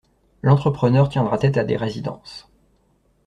L'entrepreneur tiendra tête à des résidences.